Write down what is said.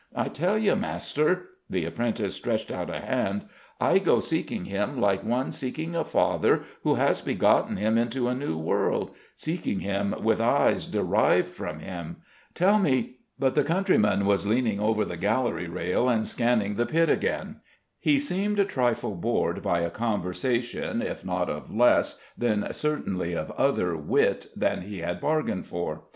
I tell you, master," the apprentice stretched out a hand, "I go seeking him like one seeking a father who has begotten him into a new world, seeking him with eyes derived from him. Tell me " But the countryman was leaning over the gallery rail and scanning the pit again. He seemed a trifle bored by a conversation if not of less, then certainly of other, wit than he had bargained for.